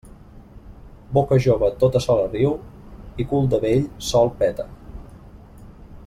Boca jove tota sola riu i cul de vell sol peta.